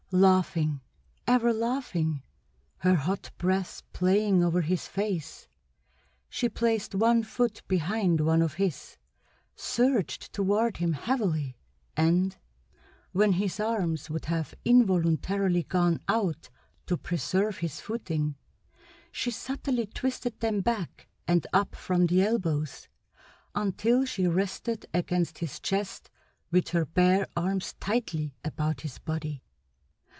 Laughing, ever laughing, her hot breath playing over his face, she placed one foot behind one of his, surged toward him heavily, and, when his arms would have involuntarily gone out to preserve his footing, she subtly twisted them back and up from the elbows, until she rested against his chest with her bare arms tightly about his body.